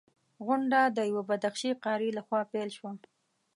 غونډه د یوه بدخشي قاري لخوا پیل شوه.